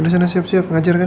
udah sana siap siap ngajar kan